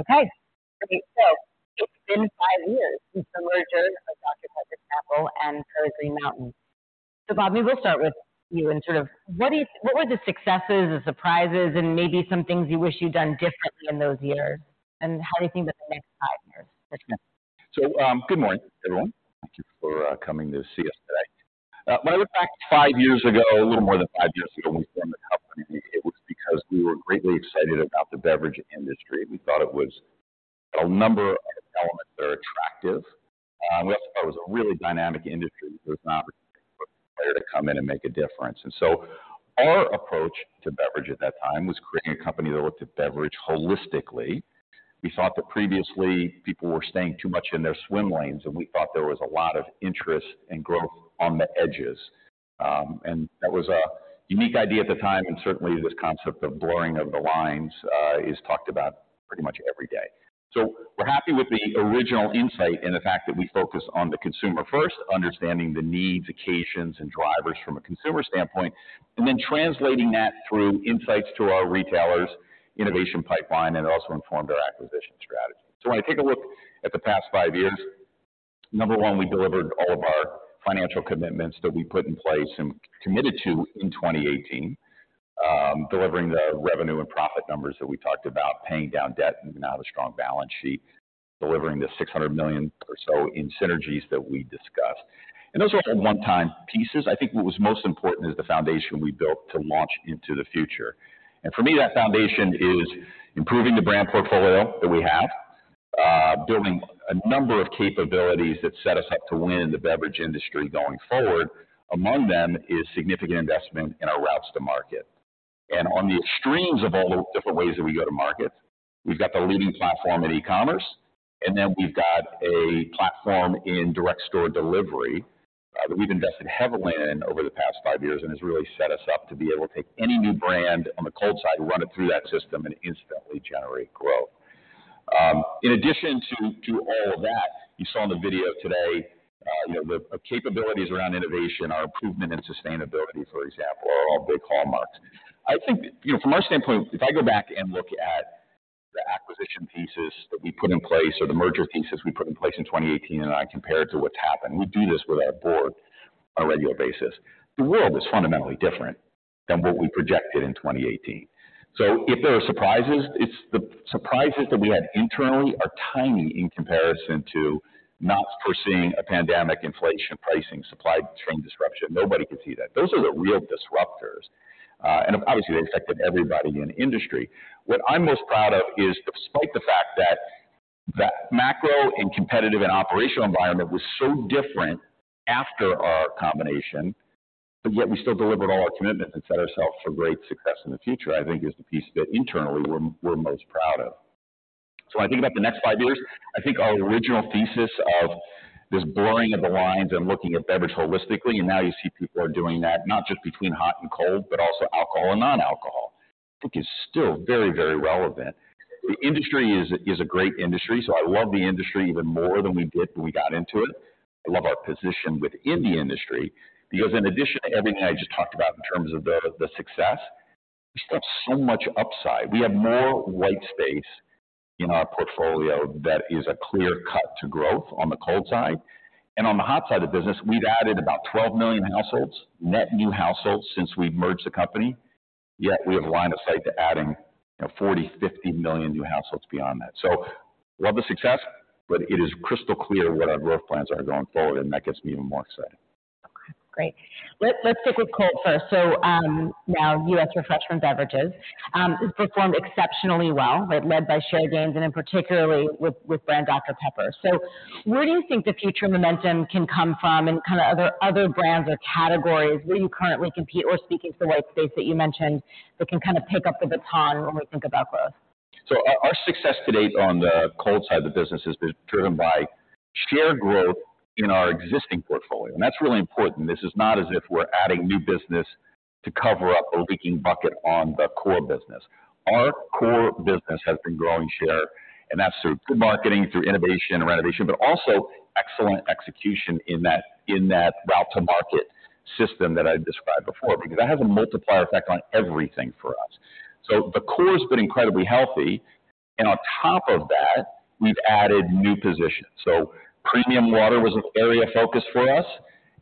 Okay. So it's been five years since the merger of Dr Pepper Snapple and Keurig Green Mountain. So, Bob, maybe we'll start with you and sort of what do you, what were the successes, the surprises, and maybe some things you wish you'd done differently in those years? And how do you think the next five years look like? Good morning, everyone. Thank you for coming to see us today. When I look back five years ago, a little more than five years ago, we formed the company. It was because we were greatly excited about the beverage industry. We thought it was a number of elements that are attractive. We also thought it was a really dynamic industry. There was not a player to come in and make a difference. And so our approach to beverage at that time was creating a company that looked at beverage holistically. We thought that previously people were staying too much in their swim lanes, and we thought there was a lot of interest and growth on the edges. And that was a unique idea at the time, and certainly, this concept of blurring of the lines is talked about pretty much every day. So we're happy with the original insight and the fact that we focus on the consumer first, understanding the needs, occasions, and drivers from a consumer standpoint, and then translating that through insights to our retailers, innovation pipeline, and it also informed our acquisition strategy. So when I take a look at the past five years, number one, we delivered all of our financial commitments that we put in place and committed to in 2018. Delivering the revenue and profit numbers that we talked about, paying down debt, and now the strong balance sheet, delivering the $600 million or so in synergies that we discussed. And those are all one-time pieces. I think what was most important is the foundation we built to launch into the future. For me, that foundation is improving the brand portfolio that we have, building a number of capabilities that set us up to win in the beverage industry going forward. Among them is significant investment in our routes to market. And on the extremes of all the different ways that we go to market, we've got the leading platform in e-commerce, and then we've got a platform in direct store delivery that we've invested heavily in over the past five years and has really set us up to be able to take any new brand on the cold side, run it through that system, and instantly generate growth. In addition to all of that, you saw in the video today, you know, the capabilities around innovation, our improvement in sustainability, for example, are all big hallmarks. I think, you know, from our standpoint, if I go back and look at the acquisition pieces that we put in place or the merger pieces we put in place in 2018, and I compare it to what's happened, we do this with our board on a regular basis. The world is fundamentally different than what we projected in 2018. So if there are surprises, it's the surprises that we had internally are tiny in comparison to not foreseeing a pandemic, inflation, pricing, supply chain disruption. Nobody could see that. Those are the real disruptors, and obviously, they affected everybody in the industry. What I'm most proud of is, despite the fact that the macro and competitive and operational environment was so different after our combination, but yet we still delivered all our commitments and set ourselves for great success in the future, I think is the piece that internally we're most proud of. So when I think about the next five years, I think our original thesis of this blurring of the lines and looking at beverage holistically, and now you see people are doing that, not just between hot and cold, but also alcohol and non-alcohol, I think is still very, very relevant. The industry is a great industry, so I love the industry even more than we did when we got into it. I love our position within the industry because in addition to everything I just talked about in terms of the, the success, we still have so much upside. We have more white space in our portfolio that is a clear cut to growth on the cold side. On the hot side of the business, we've added about 12 million households, net new households since we've merged the company, yet we have a line of sight to adding 40-50 million new households beyond that. Love the success, but it is crystal clear what our growth plans are going forward, and that gets me even more excited. Okay, great. Let's stick with cold first. So now U.S. Refreshment Beverages performed exceptionally well, right? Led by share gains, and in particular with brand Dr Pepper. So where do you think the future momentum can come from and kind of other brands or categories where you currently compete, or speaking to the white space that you mentioned, that can kind of pick up the baton when we think about growth? So our success to date on the cold side of the business has been driven by share growth in our existing portfolio, and that's really important. This is not as if we're adding new business to cover up a leaking bucket on the core business. Our core business has been growing share, and that's through marketing, through innovation and renovation, but also excellent execution in that route to market system that I described before, because that has a multiplier effect on everything for us. So the core has been incredibly healthy, and on top of that, we've added new positions. So premium water was an area of focus for us.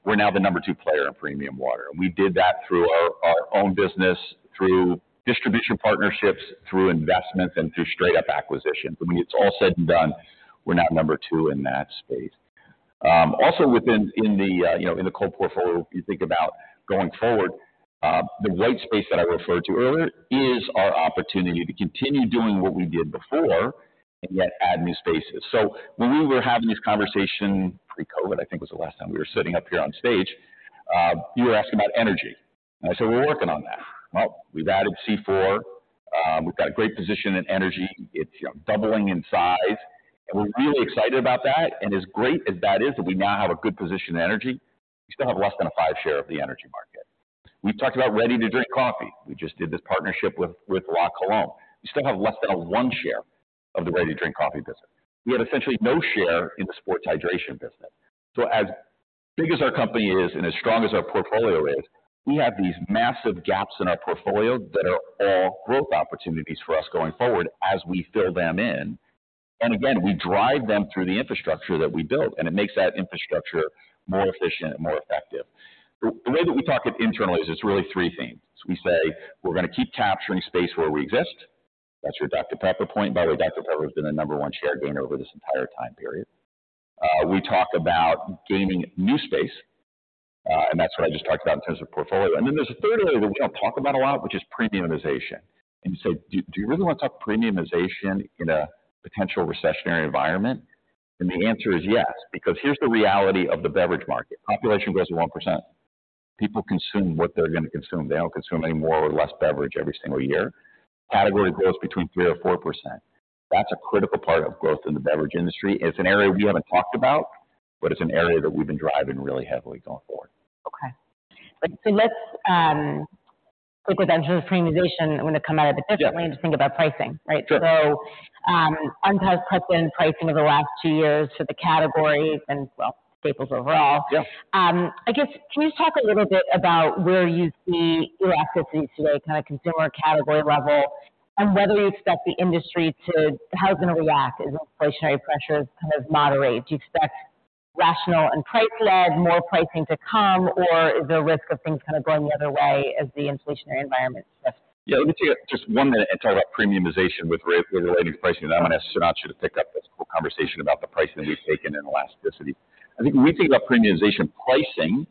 We're now the number two player in premium water. We did that through our own business, through distribution partnerships, through investments, and through straight-up acquisitions. When it's all said and done, we're now number two in that space. Also within, in the, you know, in the cold portfolio, if you think about going forward, the white space that I referred to earlier is our opportunity to continue doing what we did before and yet add new spaces. So when we were having this conversation, pre-COVID, I think, was the last time we were sitting up here on stage, you were asking about energy. I said, "We're working on that." Well, we've added C4. We've got a great position in energy. It's, you know, doubling in size, and we're really excited about that. And as great as that is that we now have a good position in energy, we still have less than a 5% share of the energy market. We've talked about ready-to-drink coffee. We just did this partnership with La Colombe. We still have less than a 1 share of the ready-to-drink coffee business. We had essentially no share in the sports hydration business. As big as our company is and as strong as our portfolio is, we have these massive gaps in our portfolio that are all growth opportunities for us going forward as we fill them in. And again, we drive them through the infrastructure that we built, and it makes that infrastructure more efficient and more effective. The way that we talk it internally is it's really three themes. We say we're gonna keep capturing space where we exist. That's your Dr Pepper point. By the way, Dr Pepper has been the number one share gainer over this entire time period. We talk about gaining new space, and that's what I just talked about in terms of portfolio. And then there's a third area that we don't talk about a lot, which is premiumization. And you say, "Do you really want to talk premiumization in a potential recessionary environment?" And the answer is yes, because here's the reality of the beverage market: population grows at 1%. People consume what they're gonna consume. They don't consume any more or less beverage every single year. Category grows between 3%-4%. That's a critical part of growth in the beverage industry. It's an area we haven't talked about, but it's an area that we've been driving really heavily going forward. Okay. So let's quickly then turn to premiumization. I'm gonna come at it differently- Yeah. Just think about pricing, right? Sure. Unprecedented pricing over the last two years for the category and, well, staples overall. Yeah. I guess, can you just talk a little bit about where you see elasticity today, kind of consumer category level, and whether you expect the industry to... How it's gonna react as inflationary pressures kind of moderate? Do you expect rational and price-led more pricing to come, or is there a risk of things kind of going the other way as the inflationary environment shifts? Yeah. Let me take just one minute and talk about premiumization with relating to pricing, and I'm gonna ask Sudhanshu to pick up this whole conversation about the pricing that we've taken and elasticity. I think when we think about premiumization, pricing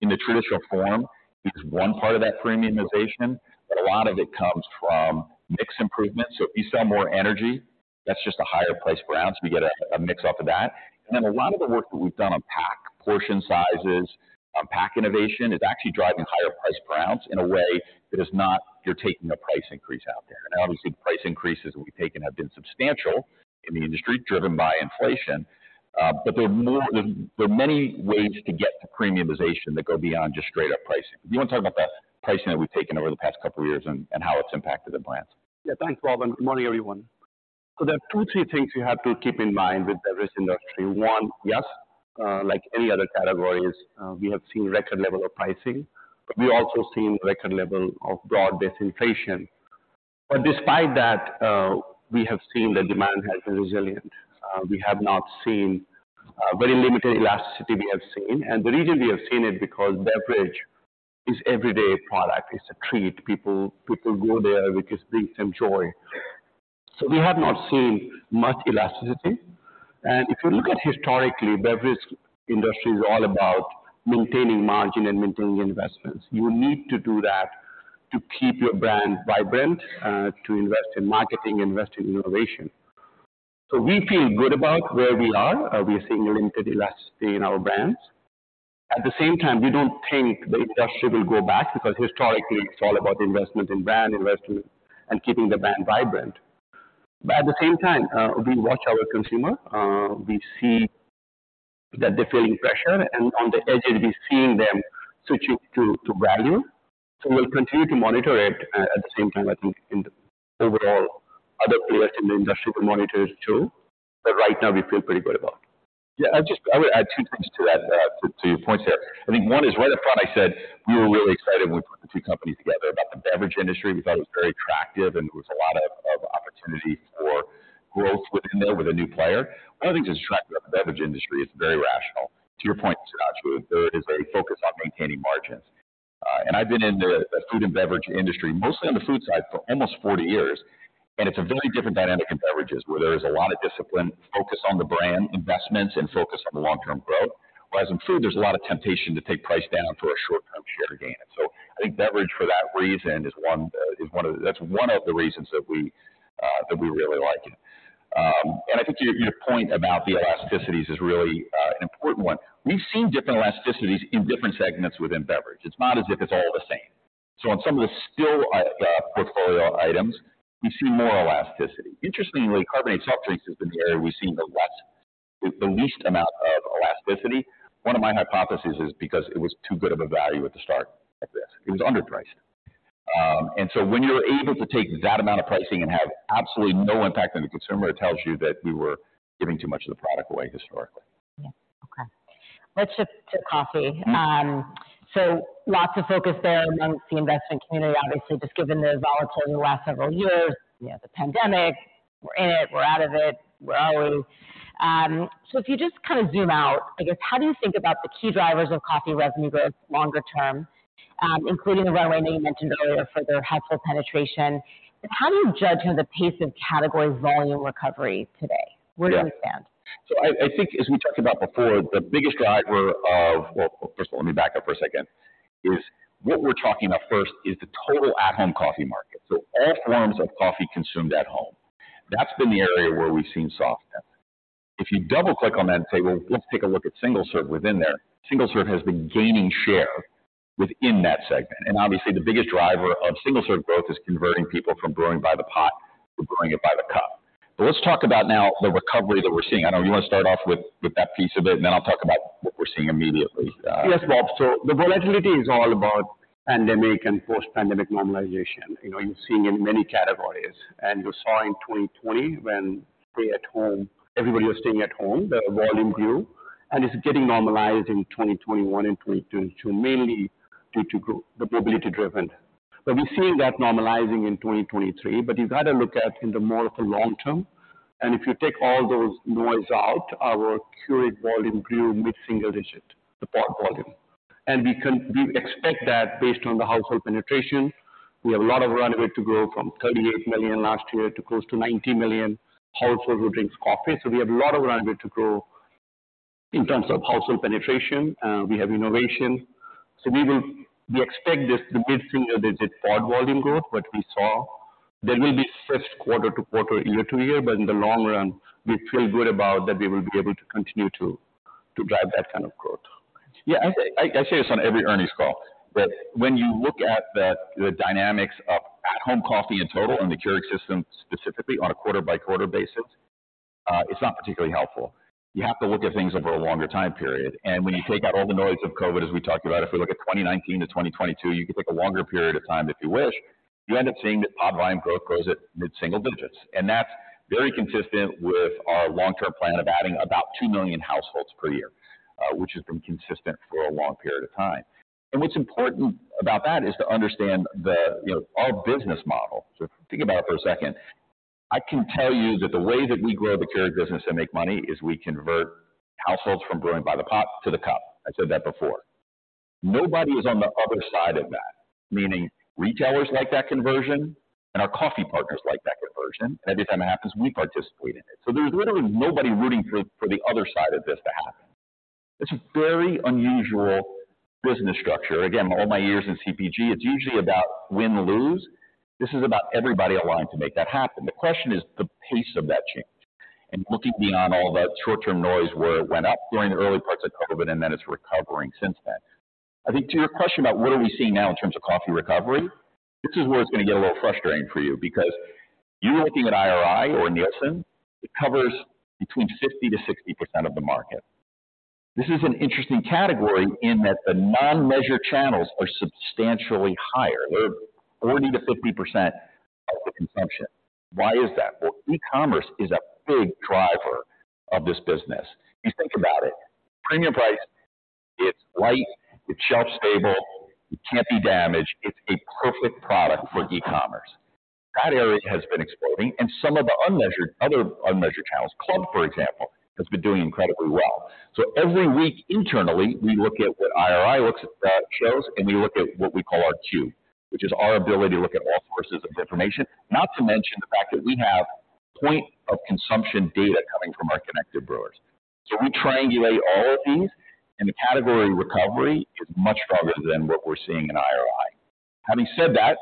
in the traditional form is one part of that premiumization, but a lot of it comes from mix improvement. So if you sell more energy, that's just a higher price per ounce. We get a mix off of that. And then a lot of the work that we've done on pack, portion sizes, on pack innovation, is actually driving higher price per ounce in a way that is not you're taking a price increase out there. And obviously, price increases that we've taken have been substantial in the industry, driven by inflation. But there are more, there are many ways to get to premiumization that go beyond just straight-up pricing. Do you want to talk about the pricing that we've taken over the past couple of years and how it's impacted the brands? Yeah. Thanks, Bob, and good morning, everyone. So there are two, three things you have to keep in mind with the beverage industry. One, yes, like any other categories, we have seen record level of pricing, but we also seen record level of broad-based inflation. But despite that, we have seen the demand has been resilient. We have not seen, very limited elasticity we have seen. And the reason we have seen it, because beverage is everyday product. It's a treat. People, people go there because they enjoy. So we have not seen much elasticity. And if you look at historically, beverage industry is all about maintaining margin and maintaining investments. You need to do that to keep your brand vibrant, to invest in marketing, invest in innovation. So we feel good about where we are. We are seeing limited elasticity in our brands. At the same time, we don't think the industry will go back, because historically, it's all about investment in brand, investment, and keeping the brand vibrant. But at the same time, we watch our consumer. We see that they're feeling pressure, and on the edge, and we're seeing them switching to value. So we'll continue to monitor it at the same time, I think, in the overall other players in the industry will monitor it too. But right now we feel pretty good about it. Yeah, I just... I would add two things to that, to your points there. I think one is right up front I said, we were really excited when we put the two companies together about the beverage industry. We thought it was very attractive, and there was a lot of, of opportunity for growth within there with a new player. One of the things that's attractive about the beverage industry, it's very rational. To your point, Sudhanshu, there is a focus on maintaining margins. And I've been in the, the food and beverage industry, mostly on the food side, for almost 40 years, and it's a very different dynamic in beverages, where there is a lot of discipline, focus on the brand investments, and focus on the long-term growth. Whereas in food, there's a lot of temptation to take price down for a short-term share gain. I think beverage, for that reason, is one of the reasons that we really like it. I think your, your point about the elasticities is really an important one. We've seen different elasticities in different segments within beverage. It's not as if it's all the same. So on some of the still portfolio items, we've seen more elasticity. Interestingly, carbonated soft drinks is the area we've seen the less, with the least amount of elasticity. One of my hypotheses is because it was too good of a value at the start of this. It was underpriced. And so when you're able to take that amount of pricing and have absolutely no impact on the consumer, it tells you that we were giving too much of the product away historically. Yeah. Okay. Let's shift to coffee. So lots of focus there among the investment community. Obviously, just given the volatility in the last several years, you know, the pandemic, we're in it, we're out of it, we're out. So if you just kind of zoom out, I guess, how do you think about the key drivers of coffee revenue growth longer term, including the runway that you mentioned earlier for their household penetration? And how do you judge the pace of category volume recovery today? Yeah. Where do we stand? So I, I think as we talked about before, the biggest driver of... Well, first of all, let me back up for a second, is what we're talking about first is the total at-home coffee market. So all forms of coffee consumed at home. That's been the area where we've seen softness. If you double-click on that and say, "Well, let's take a look at single-serve within there," single-serve has been gaining share within that segment. And obviously, the biggest driver of single-serve growth is converting people from brewing by the pot to brewing it by the cup. But let's talk about now the recovery that we're seeing. I know you want to start off with, with that piece of it, and then I'll talk about what we're seeing immediately. Yes, Bob. So the volatility is all about pandemic and post-pandemic normalization. You know, you're seeing in many categories, and you saw in 2020 when stay at home, everybody was staying at home, the volume grew, and it's getting normalized in 2021 and 2022, mainly due to grow- the mobility-driven.... But we're seeing that normalizing in 2023. But you've got to look at in the more of a long term, and if you take all those noise out, our Keurig volume grew mid-single digit, the pod volume. And we can - we expect that based on the household penetration, we have a lot of runway to grow from 38 million last year to close to 90 million households who drinks coffee. So we have a lot of runway to grow in terms of household penetration. We have innovation. So we will—we expect this, the mid-single-digit pod volume growth what we saw. There may be first quarter-to-quarter, year-to-year, but in the long run, we feel good about that we will be able to continue to, to drive that kind of growth. Yeah, I say this on every earnings call, but when you look at the dynamics of at-home coffee in total and the Keurig system specifically on a quarter-by-quarter basis, it's not particularly helpful. You have to look at things over a longer time period. And when you take out all the noise of COVID, as we talked about, if we look at 2019-2022, you can take a longer period of time if you wish, you end up seeing that pod volume growth grows at mid-single digits. And that's very consistent with our long-term plan of adding about 2 million households per year, which has been consistent for a long period of time. And what's important about that is to understand that, you know, our business model. So think about it for a second. I can tell you that the way that we grow the Keurig business and make money is we convert households from brewing by the pot to the cup. I said that before. Nobody is on the other side of that, meaning retailers like that conversion, and our coffee partners like that conversion, and every time it happens, we participate in it. So there's literally nobody rooting for the other side of this to happen. It's a very unusual business structure. Again, all my years in CPG, it's usually about win, lose. This is about everybody aligned to make that happen. The question is the pace of that change, and looking beyond all the short-term noise where it went up during the early parts of COVID and then it's recovering since then. I think to your question about what are we seeing now in terms of coffee recovery, this is where it's going to get a little frustrating for you because you're looking at IRI or Nielsen. It covers between 50%-60% of the market. This is an interesting category in that the non-measured channels are substantially higher. They're 40%-50% of the consumption. Why is that? Well, e-commerce is a big driver of this business. If you think about it, premium price, it's light, it's shelf stable, it can't be damaged. It's a perfect product for e-commerce. That area has been exploding, and some of the unmeasured, other unmeasured channels, Club, for example, has been doing incredibly well. So every week internally, we look at what IRI looks at, shows, and we look at what we call our cube, which is our ability to look at all sources of information, not to mention the fact that we have point of consumption data coming from our connected brewers. So we triangulate all of these, and the category recovery is much stronger than what we're seeing in IRI. Having said that,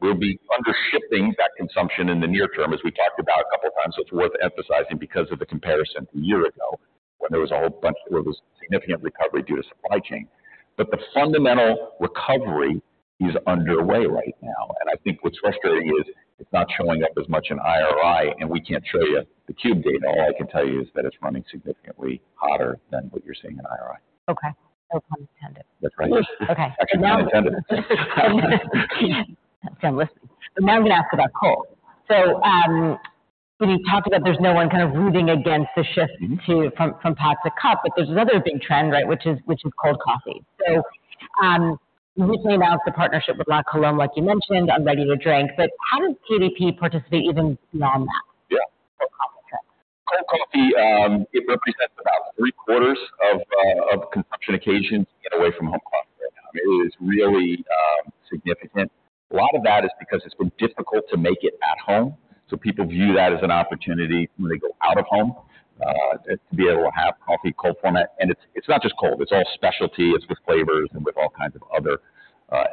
we'll be under shipping that consumption in the near term, as we talked about a couple of times. So it's worth emphasizing because of the comparison to a year ago, when there was a whole bunch, where there was significant recovery due to supply chain. But the fundamental recovery is underway right now, and I think what's frustrating is it's not showing up as much in IRI, and we can't show you the cube data. All I can tell you is that it's running significantly hotter than what you're seeing in IRI. Okay. That's unintended. That's right. Okay. Actually, unintended. So I'm listening. Now I'm going to ask about cold. So, when you talked about there's no one kind of rooting against the shift to, from pod to cup, but there's another big trend, right? Which is cold coffee. So, you recently announced a partnership with La Colombe, like you mentioned, and ready to drink, but how does KDP participate even beyond that? Yeah. Cold coffee trend. Cold coffee, it represents about three-quarters of consumption occasions away from home coffee. It is really significant. A lot of that is because it's been difficult to make it at home, so people view that as an opportunity when they go out of home to be able to have coffee, cold format. And it's not just cold, it's all specialty, it's with flavors and with all kinds of other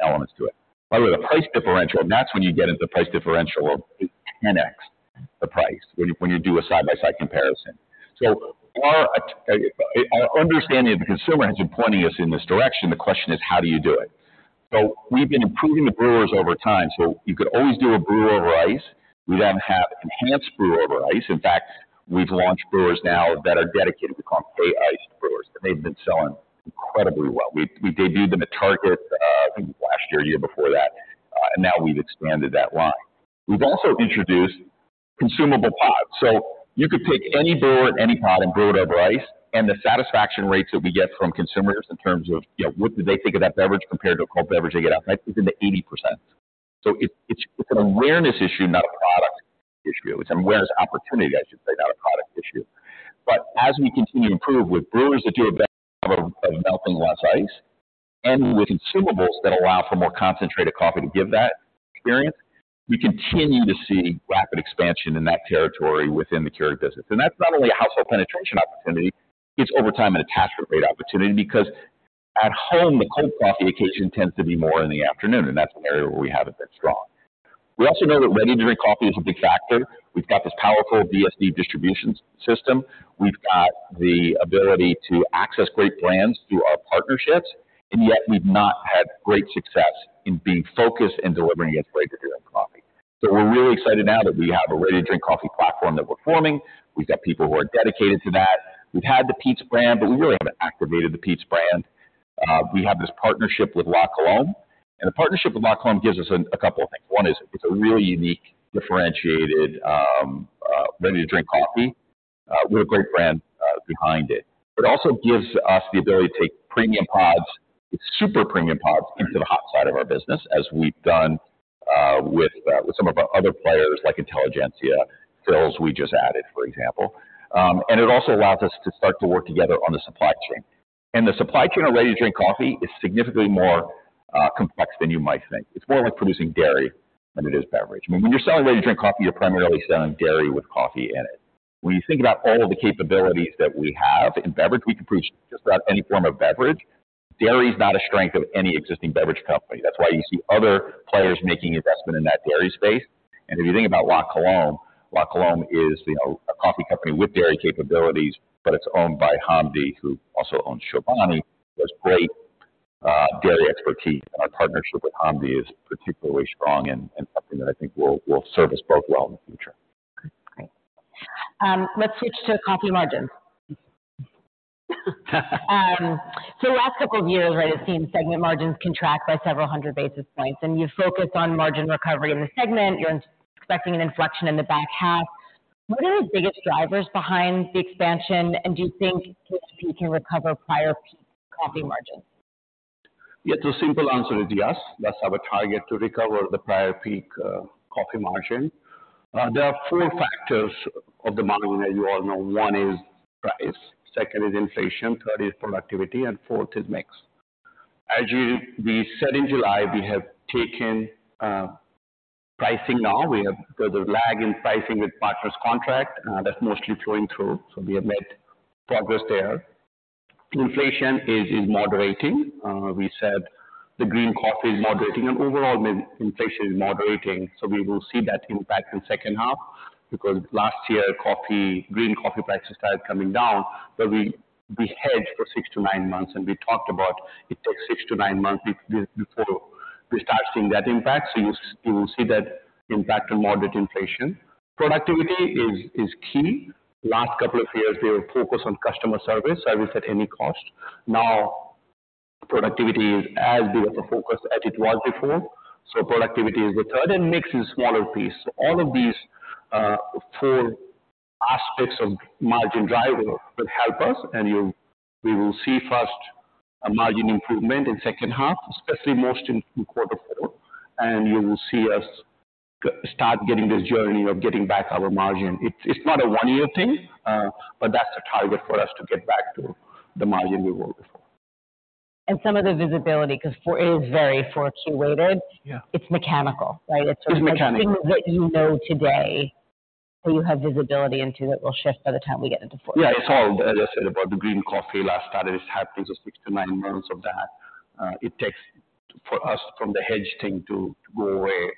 elements to it. By the way, the price differential, and that's when you get into the price differential, is 10x the price, when you do a side-by-side comparison. So our understanding of the consumer has been pointing us in this direction. The question is: How do you do it? So we've been improving the brewers over time, so you could always do Brew Over Ice. We then have enhanced brewer over ice. In fact, we've launched brewers now that are dedicated. We call them K-Iced brewers, and they've been selling incredibly well. We, we debuted them at Target, I think last year, year before that, and now we've expanded that line. We've also introduced consumable pods. So you could pick any brewer at any pod and brew it over ice, and the satisfaction rates that we get from consumers in terms of, you know, what did they think of that beverage compared to a cold beverage they get out, right, is in the 80%. So it's, it's an awareness issue, not a product issue. It's an awareness opportunity, I should say, not a product issue. But as we continue to improve with brewers that do a better job of melting less ice, and with consumables that allow for more concentrated coffee to give that experience, we continue to see rapid expansion in that territory within the Keurig business. And that's not only a household penetration opportunity, it's over time, an attachment rate opportunity, because at home, the cold coffee occasion tends to be more in the afternoon, and that's an area where we haven't been strong. We also know that ready to drink coffee is a big factor. We've got this powerful DSD distribution system. We've got the ability to access great brands through our partnerships, and yet we've not had great success in being focused and delivering against ready to drink coffee. So we're really excited now that we have a ready to drink coffee platform that we're forming. We've got people who are dedicated to that. We've had the Peet's brand, but we really haven't activated the Peet's brand. We have this partnership with La Colombe, and the partnership with La Colombe gives us a couple of things. One is it's a really unique, differentiated, ready-to-drink coffee. With a great brand behind it. It also gives us the ability to take premium pods, super premium pods, into the hot side of our business, as we've done with some of our other players, like Intelligentsia, Philz we just added, for example. And it also allows us to start to work together on the supply chain. And the supply chain on ready to drink coffee is significantly more complex than you might think. It's more like producing dairy than it is beverage. I mean, when you're selling ready to drink coffee, you're primarily selling dairy with coffee in it. When you think about all the capabilities that we have in beverage, we can produce just about any form of beverage. Dairy is not a strength of any existing beverage company. That's why you see other players making investment in that dairy space. And if you think about La Colombe, La Colombe is, you know, a coffee company with dairy capabilities, but it's owned by Hamdi, who also owns Chobani, who has great dairy expertise. And our partnership with Hamdi is particularly strong and something that I think will serve us both well in the future. Great. Let's switch to coffee margins. So the last couple of years, right, it seems segment margins contract by several hundred basis points, and you've focused on margin recovery in the segment. You're expecting an inflection in the back half. What are the biggest drivers behind the expansion, and do you think KDP can recover prior peak coffee margins? Yeah, the simple answer is yes. That's our target, to recover the prior peak coffee margin. There are four factors of the margin, as you all know. One is price, second is inflation, third is productivity, and fourth is mix. As we said in July, we have taken pricing now. There's a lag in pricing with partners' contract, that's mostly flowing through, so we have made progress there. Inflation is moderating. We said the green coffee is moderating and overall inflation is moderating, so we will see that impact in second half, because last year, coffee, green coffee prices started coming down, but we hedged for six to nine months, and we talked about it takes six to nine months before we start seeing that impact. So you will see that impact on moderate inflation. Productivity is key. Last couple of years, we were focused on customer service, I will say at any cost. Now productivity is as big of a focus as it was before, so productivity is the third, and mix is smaller piece. So all of these four aspects of margin driver will help us, and we will see first a margin improvement in second half, especially most in quarter four, and you will see us start getting this journey of getting back our margin. It's not a one-year thing, but that's the target for us to get back to the margin we were before. Some of the visibility, because four is very 4Q weighted. Yeah. It's mechanical, right? It's mechanical. It's things that you know today, so you have visibility into it. It will shift by the time we get into fourth. Yeah, it's all, as I said, about the green coffee cost started. It happens in six to nine months of that. It takes for us from the hedge thing to go away,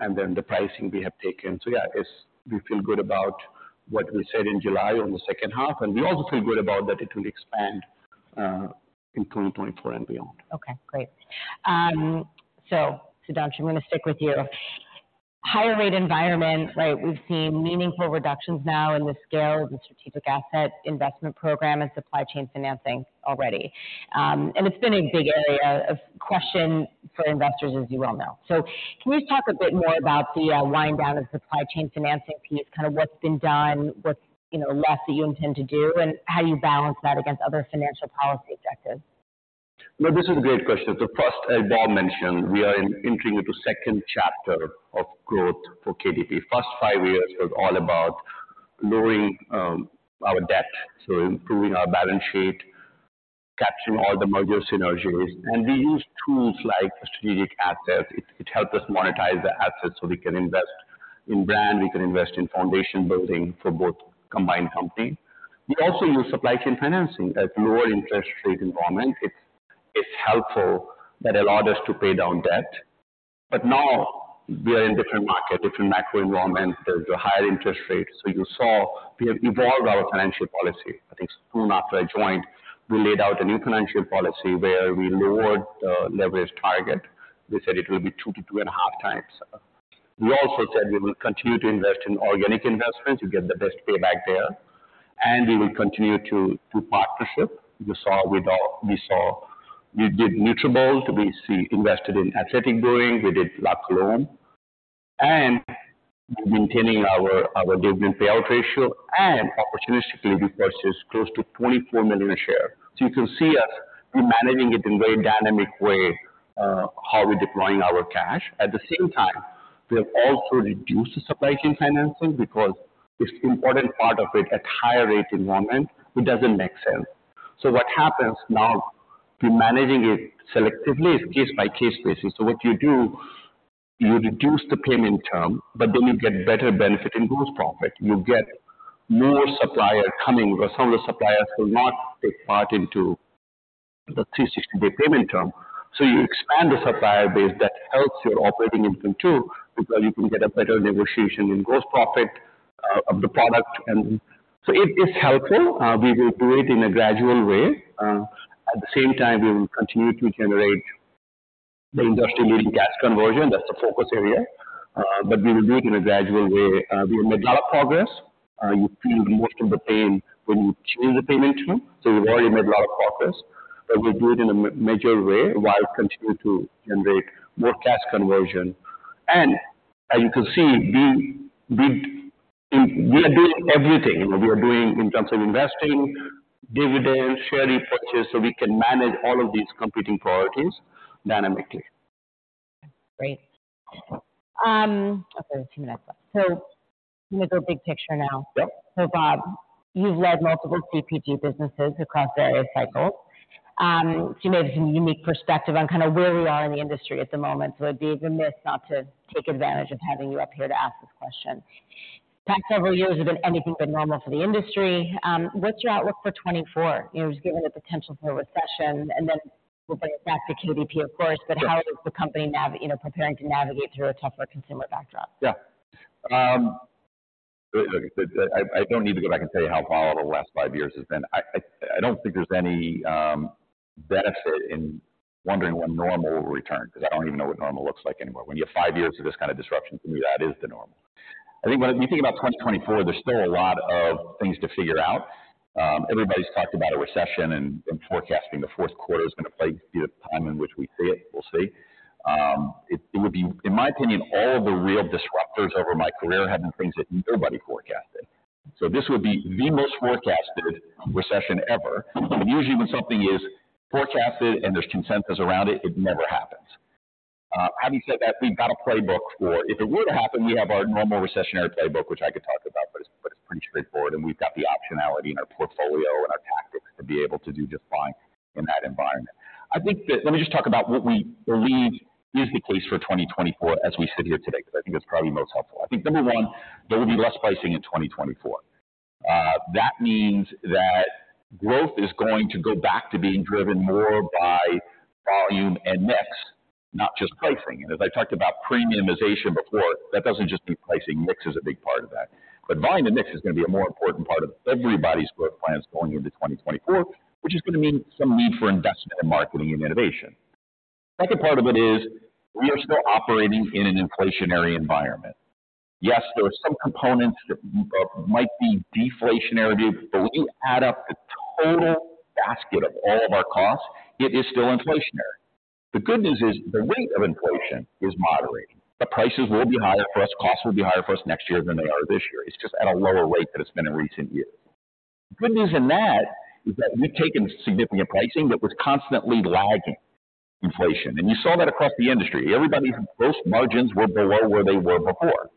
and then the pricing we have taken. So yeah, it's, we feel good about what we said in July on the second half, and we also feel good about that it will expand, in 2024 and beyond. Okay, great. So Sudhanshu, I'm gonna stick with you. Higher rate environment, right? We've seen meaningful reductions now in the scale of the Strategic Asset Investment program and supply chain financing already. And it's been a big area of question for investors, as you well know. So can you talk a bit more about the wind down of supply chain financing piece, kind of what's been done, what's, you know, left that you intend to do, and how you balance that against other financial policy objectives? No, this is a great question. So first, as Bob mentioned, we are entering into second chapter of growth for KDP. First five years was all about lowering our debt, so improving our balance sheet, capturing all the merger synergies. We used tools like strategic assets. It helped us monetize the assets so we can invest in brand, we can invest in foundation building for both combined company. We also used supply chain financing. In a lower interest rate environment, it's helpful, that allowed us to pay down debt. But now we are in different market, different macro environment. There's a higher interest rate. So you saw we have evolved our financial policy. I think soon after I joined, we laid out a new financial policy where we lowered the leverage target. We said it will be 2-2.5x. We also said we will continue to invest in organic investments. You get the best payback there, and we will continue to do partnership. You saw with our-- We saw, we did Nutrabolt, we see invested in Athletic Brewing, we did La Colombe, and we're maintaining our, our dividend payout ratio and opportunistically repurchase close to 24 million shares. So you can see us, we're managing it in very dynamic way, how we're deploying our cash. At the same time, we have also reduced the supply chain financing because it's important part of it. At higher rate environment, it doesn't make sense. So what happens now, we're managing it selectively. It's case by case basis. So what you do, you reduce the payment term, but then you get better benefit in gross profit. You get more suppliers coming, because some of the suppliers will not take part into the 360-day payment term. So you expand the supplier base. That helps your operating income too, because you can get a better negotiation in gross profit, of the product. And so it is helpful. We will do it in a gradual way. At the same time, we will continue to generate the industry leading cash conversion. That's the focus area. But we will do it in a gradual way. We have made a lot of progress. You feel most of the pain when you change the payment term. So we've already made a lot of progress, but we'll do it in a major way while continuing to generate more cash conversion.... And as you can see, we are doing everything. We are doing in terms of investing, dividends, share repurchase, so we can manage all of these competing priorities dynamically. Great. Okay, a few minutes left. Let's go big picture now. Yep. So Bob, you've led multiple CPG businesses across various cycles. So you may have some unique perspective on kind of where we are in the industry at the moment. So it'd be remiss not to take advantage of having you up here to ask this question. Past several years have been anything but normal for the industry. What's your outlook for 2024? You know, just given the potential for a recession, and then we'll bring it back to KDP, of course. But how is the company, you know, preparing to navigate through a tougher consumer backdrop? Yeah. Look, I don't need to go back and tell you how volatile the last five years has been. I don't think there's any benefit in wondering when normal will return, because I don't even know what normal looks like anymore. When you have five years of this kind of disruption, to me, that is the normal. I think when you think about 2024, there's still a lot of things to figure out. Everybody's talked about a recession and forecasting the fourth quarter is going to play the time in which we see it. We'll see. It would be... In my opinion, all of the real disruptors over my career have been things that nobody forecasted. So this would be the most forecasted recession ever. And usually, when something is forecasted and there's consensus around it, it never happens. Having said that, we've got a playbook for if it were to happen. We have our normal recessionary playbook, which I could talk about, but it's pretty straightforward, and we've got the optionality in our portfolio and our tactics to be able to do just fine in that environment. I think that... Let me just talk about what we believe is the case for 2024 as we sit here today, because I think that's probably most helpful. I think, number one, there will be less pricing in 2024. That means that growth is going to go back to being driven more by volume and mix, not just pricing. And as I talked about premiumization before, that doesn't just mean pricing. Mix is a big part of that, but volume and mix is going to be a more important part of everybody's growth plans going into 2024, which is going to mean some need for investment in marketing and innovation. Second part of it is we are still operating in an inflationary environment. Yes, there are some components that might be deflationary, but when you add up the total basket of all of our costs, it is still inflationary. The good news is the rate of inflation is moderating. The prices will be higher for us. Costs will be higher for us next year than they are this year. It's just at a lower rate than it's been in recent years. The good news in that is that we've taken significant pricing that was constantly lagging inflation, and you saw that across the industry. Everybody, most margins were below where they were before.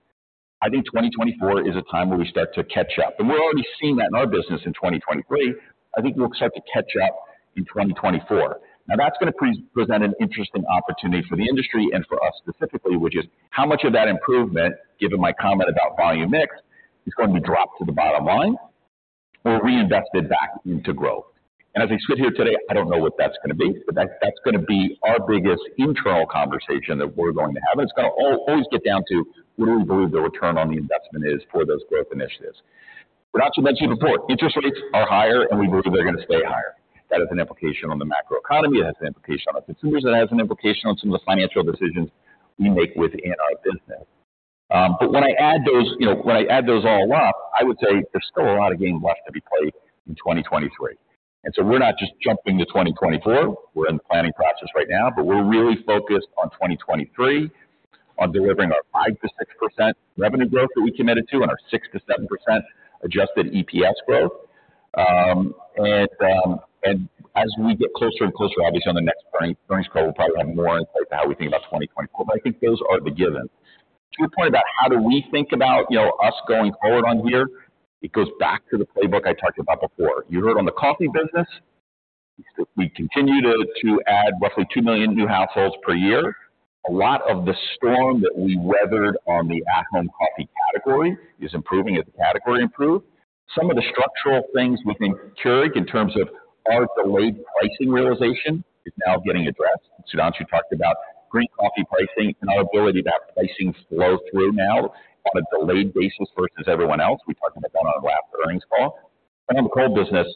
I think 2024 is a time where we start to catch up, and we're already seeing that in our business in 2023. I think we'll start to catch up in 2024. Now, that's going to present an interesting opportunity for the industry and for us specifically, which is how much of that improvement, given my comment about volume mix, is going to be dropped to the bottom line or reinvested back into growth. And as we sit here today, I don't know what that's going to be, but that, that's going to be our biggest internal conversation that we're going to have. And it's going to always get down to what do we believe the return on the investment is for those growth initiatives? We're not so much before. Interest rates are higher, and we believe they're going to stay higher. That has an implication on the macroeconomy, it has an implication on our consumers, and it has an implication on some of the financial decisions we make within our business. But when I add those, you know, when I add those all up, I would say there's still a lot of game left to be played in 2023. So we're not just jumping to 2024. We're in the planning process right now, but we're really focused on 2023, on delivering our 5%-6% revenue growth that we committed to and our 6%-7% adjusted EPS growth. As we get closer and closer, obviously on the next earnings, earnings call, we'll probably have more insight to how we think about 2024, but I think those are the given. To your point about how do we think about, you know, us going forward on here, it goes back to the playbook I talked about before. You heard on the coffee business, we continue to add roughly 2 million new households per year. A lot of the storm that we weathered on the at-home coffee category is improving as the category improved. Some of the structural things within Keurig in terms of our delayed pricing realization is now getting addressed. Sudhanshu talked about green coffee pricing and our ability to have pricing flow through now on a delayed basis versus everyone else. We talked about that on our last earnings call. On the cold business,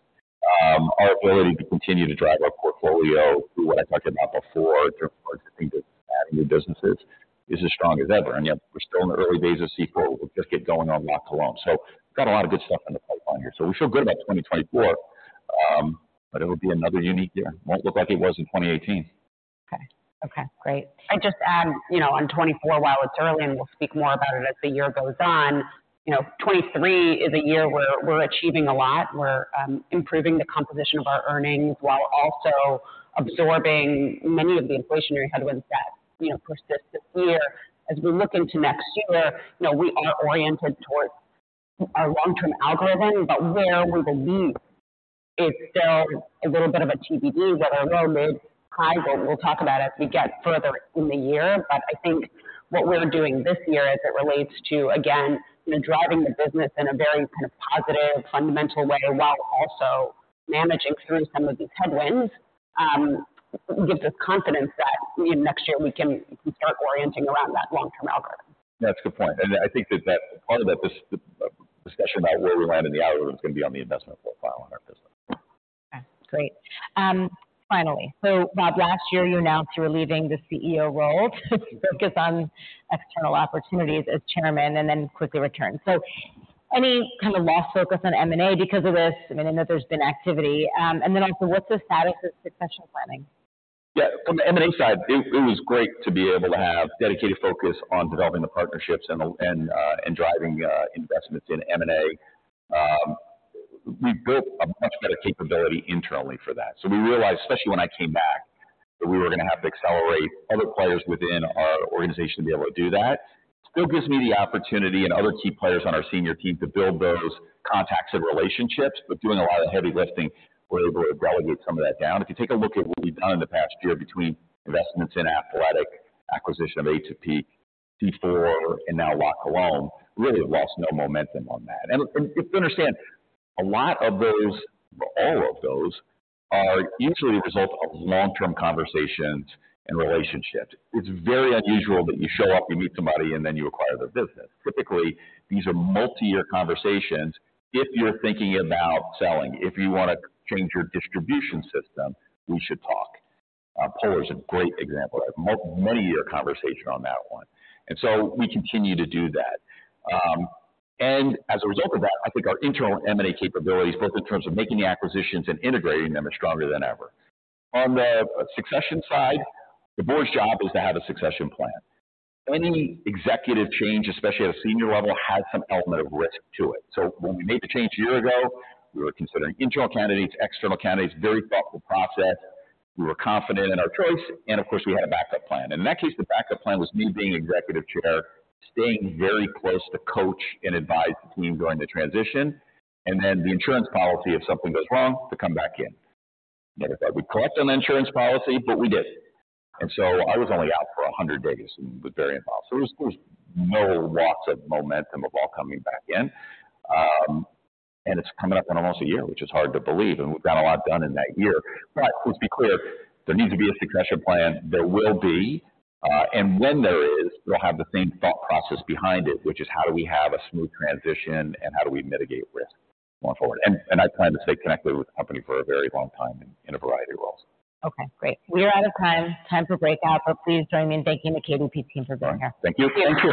our ability to continue to drive our portfolio through what I talked about before, different new businesses, is as strong as ever, and yet we're still in the early days of C4. We'll just get going on La Colombe. So we've got a lot of good stuff in the pipeline here. So we feel good about 2024, but it will be another unique year. Won't look like it was in 2018. Okay. Okay, great. I'd just add, you know, on 2024, while it's early, and we'll speak more about it as the year goes on, you know, 2023 is a year where we're achieving a lot. We're improving the composition of our earnings while also absorbing many of the inflationary headwinds that, you know, persist this year. As we look into next year, you know, we are oriented towards our long-term algorithm, but where we believe is still a little bit of a TBD, but our low mid-price, and we'll talk about as we get further in the year. But I think what we're doing this year as it relates to, again, you know, driving the business in a very kind of positive, fundamental way, while also managing through some of these headwinds, gives us confidence that next year we can start orienting around that long-term algorithm. That's a good point. And I think that that part of that, this, discussion about where we land in the algorithm is going to be on the investment profile on our business. Okay, great. Finally, so Bob, last year you announced you were leaving the CEO role to focus on external opportunities as chairman and then quickly returned. Any kind of lost focus on M&A because of this? I mean, I know there's been activity. And then also, what's the status of succession planning? Yeah, from the M&A side, it was great to be able to have dedicated focus on developing the partnerships and driving investments in M&A. We built a much better capability internally for that. So we realized, especially when I came back, that we were going to have to accelerate other players within our organization to be able to do that. Still gives me the opportunity and other key players on our senior team to build those contacts and relationships, but doing a lot of the heavy lifting, we're able to relegate some of that down. If you take a look at what we've done in the past year between investments in Athletic, acquisition of Atypique, C4, and now La Colombe, really have lost no momentum on that. If you understand, a lot of those, all of those are usually a result of long-term conversations and relationships. It's very unusual that you show up, you meet somebody, and then you acquire their business. Typically, these are multi-year conversations. If you're thinking about selling, if you want to change your distribution system, we should talk. Polar is a great example, a multi-year conversation on that one, and so we continue to do that. And as a result of that, I think our internal M&A capabilities, both in terms of making the acquisitions and integrating them, are stronger than ever. On the succession side, the board's job is to have a succession plan. Any executive change, especially at a senior level, has some element of risk to it. So when we made the change a year ago, we were considering internal candidates, external candidates, very thoughtful process. We were confident in our choice, and of course, we had a backup plan. In that case, the backup plan was me being Executive Chair, staying very close to coach and advise the team during the transition, and then the insurance policy, if something goes wrong, to come back in. Matter of fact, we collect on the insurance policy, but we didn't. And so I was only out for 100 days and was very involved. So there was no loss of momentum at all coming back in. And it's coming up on almost a year, which is hard to believe, and we've got a lot done in that year. But let's be clear, there needs to be a succession plan. There will be, and when there is, we'll have the same thought process behind it, which is how do we have a smooth transition, and how do we mitigate risk going forward? And I plan to stay connected with the company for a very long time in a variety of roles. Okay, great. We are out of time. Time for breakout, but please join me in thanking the KDP team for being here. Thank you. Thank you.